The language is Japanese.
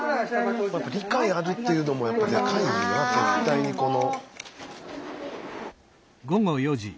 理解あるっていうのもやっぱりでかいよな絶対にこの。